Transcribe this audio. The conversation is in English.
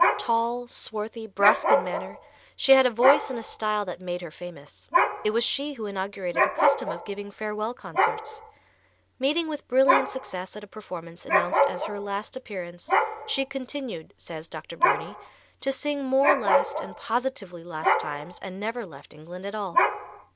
Tall, swarthy, brusque in manner, she had a voice and a style that made her famous. It was she who inaugurated the custom of giving farewell concerts. Meeting with brilliant success at a performance announced as her last appearance, "she continued," says Dr. Burney, "to sing more last and positively last times and never left England at all."